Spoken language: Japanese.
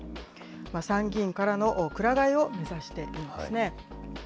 参議院からのくら替えを目指しているんですね。